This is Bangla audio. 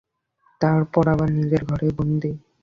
তারপর আবার নিজের ঘরেই বন্দি।